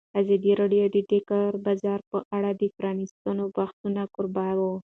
ازادي راډیو د د کار بازار په اړه د پرانیستو بحثونو کوربه وه.